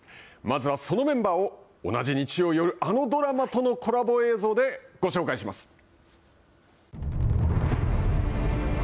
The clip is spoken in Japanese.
まずは、そのメンバーを同じ日曜夜あのドラマとのコラボ映像でご紹介します。